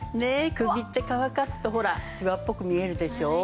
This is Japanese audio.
首って乾かすとほらシワっぽく見えるでしょ？